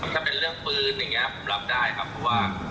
ก็เป็นเรื่องนี้ก็รับได้ครับว่า